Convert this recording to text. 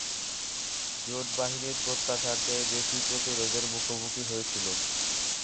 জোট বাহিনী প্রত্যাশার চেয়ে বেশি প্রতিরোধের মুখোমুখি হয়েছিল।